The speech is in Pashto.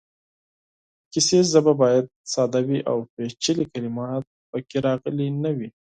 د کیسې ژبه باید ساده وي او پېچلې کلمات پکې راغلې نه وي.